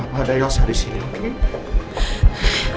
ada papa ada elsa disini oke